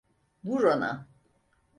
Vur ona!